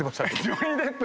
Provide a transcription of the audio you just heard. ジョニー・デップ。